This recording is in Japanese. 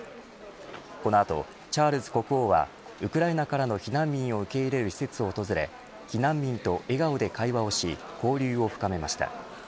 この後、チャールズ国王はウクライナからの避難民を受け入れる施設を訪れ避難民と笑顔で会話をし交流を深めました。